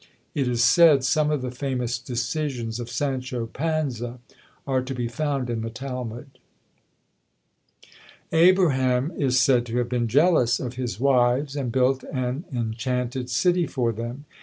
It is said some of the famous decisions of Sancho Panza are to be found in the Talmud. Abraham is said to have been jealous of his wives, and built an enchanted city for them.